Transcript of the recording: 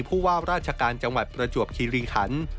ผู้ว่าราชการจังหวัดประจวบคิริขัน